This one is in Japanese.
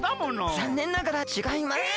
ざんねんながらちがいますえ！